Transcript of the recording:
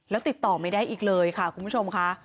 แล้วติดต่อไม่ได้อีกเลยค่ะคุณผู้ชมค่ะ